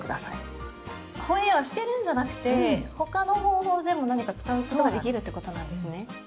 ホエイは捨てるんじゃなくて他の方法でも何か使うことができるってことなんですね。